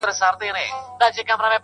پوهنتون د میني ولوله بس یاره